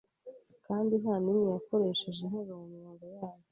kandi ntanimwe yakoresheje interuro mumirongo yayo